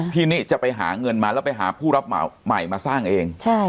นิจะไปหาเงินมาแล้วไปหาผู้รับเหมาใหม่มาสร้างเอง